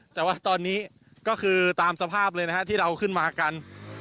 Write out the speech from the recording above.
แต่ว่าตอนนี้ก็คือตามสภาพเลยนะฮะที่เราขึ้นมากัน